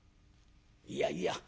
「いやいや。